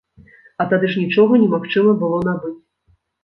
А тады ж нічога не магчыма было набыць.